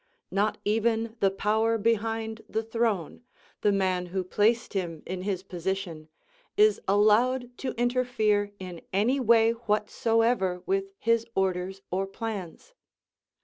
Not even the power behind the throne, the man who placed him in his position, is allowed to interfere in any way whatsoever with his orders or plans.